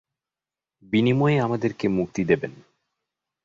বিনিময়ে আমাদেরকে মুক্তি দেবেন।